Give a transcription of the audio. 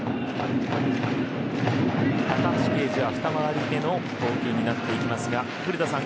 高橋奎二は２回り目の投球になってきますが古田さん